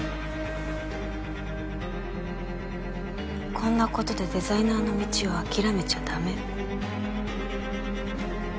こんなことでデザイナーの道をあきらめちゃダメ。